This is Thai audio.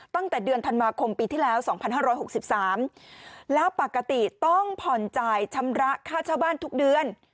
ตั้งแต่เดือนธรรมาคมปีที่แล้วสองพันห้าร้อยหกสิบสามแล้วปกติต้องผ่อนจ่ายชำระค่าเช่าบ้านทุกเดือน